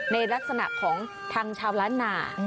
ในลักษณะของทางชาวล้านนา